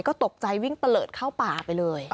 ก็ตกใจวิ่งตะเลิศเข้าป่าไปเลย